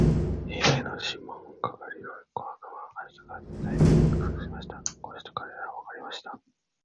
兵隊のシモン係の小悪魔は明日から手伝いに行くと約束しました。こうして彼等は別れました。